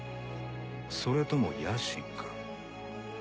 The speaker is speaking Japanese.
それとも野心か？